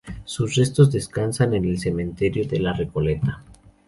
Sus restos descansan en el cementerio de La Recoleta.